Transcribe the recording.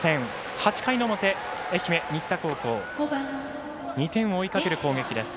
８回の表、愛媛・新田高校２点を追いかける攻撃です。